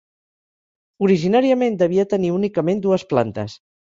Originàriament devia tenir únicament dues plantes.